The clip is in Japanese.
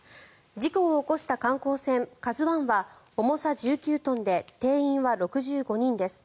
事故を起こした観光船「ＫＡＺＵ１」は重さ１９トンで定員は６５人です。